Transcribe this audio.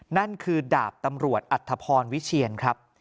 นั่นคือดาบตำรวจอัธพรวิเชียนครับ